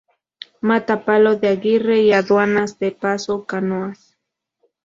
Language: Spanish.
Mata Palo de Aguirre y Aduanas de Paso Canoas.